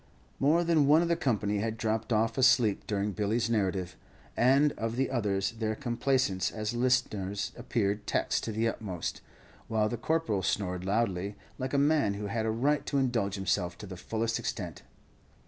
More than one of the company had dropped off asleep during Billy's narrative, and of the others, their complaisance as listeners appeared taxed to the utmost, while the Corporal snored loudly, like a man who had a right to indulge himself to the fullest extent.